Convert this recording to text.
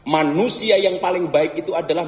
manusia yang paling baik itu adalah